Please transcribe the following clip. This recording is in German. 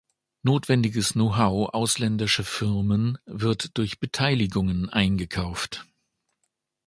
Notwendiges Know-how ausländischer Firmen wird durch Beteiligungen eingekauft.